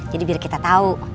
jadi biar kita tahu